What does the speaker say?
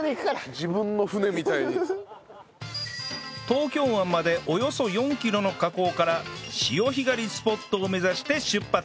東京湾までおよそ４キロの河口から潮干狩りスポットを目指して出発！